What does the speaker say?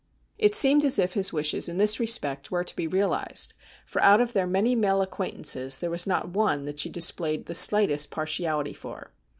It seemed as if his wishes in this respect were to be realised, for out of their many male acquaintances there was not one that she displayed the slightest partiality for.